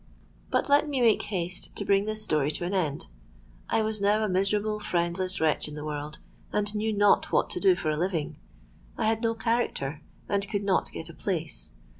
"But let me make haste and bring this story to an end. I was now a miserable, friendless wretch in the world, and knew not what to do for a living. I had no character, and could not get a place.